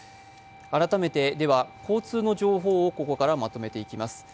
改めて、交通の情報をここからまとめていきます。